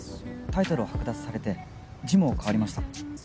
タイトルを剥奪されてジムをかわりました。